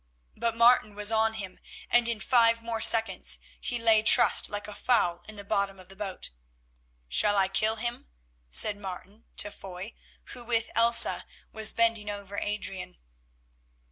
But Martin was on him, and in five more seconds he lay trussed like a fowl in the bottom of the boat. "Shall I kill him?" said Martin to Foy, who with Elsa was bending over Adrian.